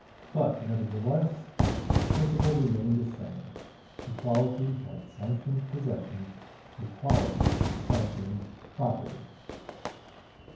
But, nevertheless, the principle remained the same: equality had sanctioned possession; equality sanctioned property.